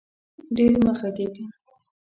ډېر مه غږېږه